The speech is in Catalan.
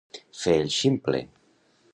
Fer el ximple.